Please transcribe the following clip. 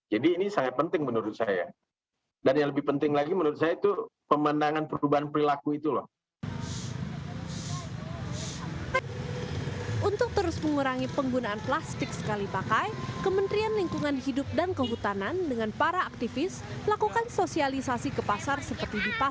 jangan lupa like share dan subscribe channel ini